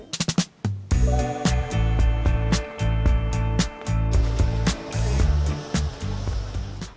eko pesantren darut tauhid bandung